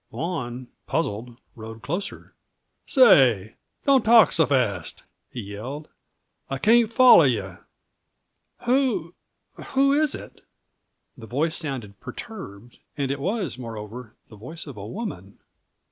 Vaughan, puzzled, rode closer. "Say, don't talk so fast!" he yelled. "I can't follow yuh." "Who who is it?" The voice sounded perturbed; and it was, moreover, the voice of a woman.